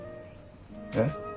えっ？